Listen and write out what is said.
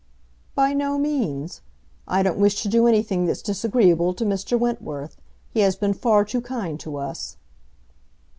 "By no means. I don't wish to do anything that's disagreeable to Mr. Wentworth. He has been far too kind to us."